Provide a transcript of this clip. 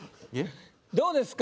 どうですか？